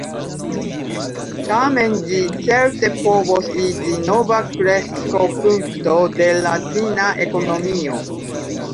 Tamen, ĝi certe povos iĝi nova kreskopunkto de la ĉina ekonomio.